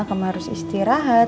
kamu harus istirahat